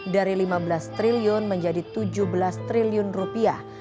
dari lima belas triliun menjadi tujuh belas triliun rupiah